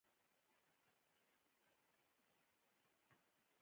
په دې اړه څه نه دې ویلي